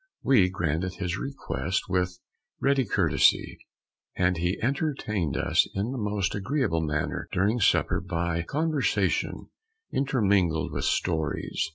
We granted his request with ready courtesy, and he entertained us in the most agreeable manner during supper by conversation intermingled with stories.